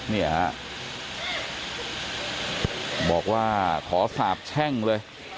เนี่ยฮะบอกว่าขอสาบแช่งเลย